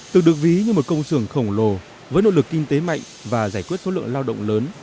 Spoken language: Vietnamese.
từng được ví như một công sưởng khổng lồ với nội lực kinh tế mạnh và giải quyết số lượng lao động lớn